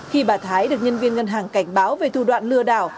khi bà thái được nhân viên ngân hàng cảnh báo về thủ đoạn lừa đảo